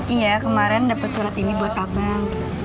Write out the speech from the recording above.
iya kemarin dapat surat ini buat abang